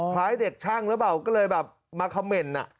คล้ายเด็กช่างหรือเปล่าก็เลยมาคอมเมนต์น่ะ